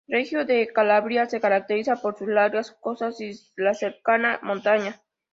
Regio de Calabria se caracteriza por sus largas costas y la cercana montaña.